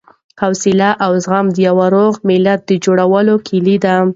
حوصله او زغم د یوه روغ ملت د جوړولو کیلي ده.